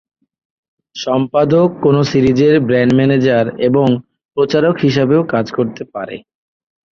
সম্পাদক কোনও সিরিজের ব্র্যান্ড ম্যানেজার এবং প্রচারক হিসাবেও কাজ করতে পারে।